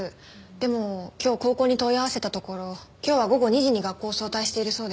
でも今日高校に問い合わせたところ今日は午後２時に学校を早退しているそうです。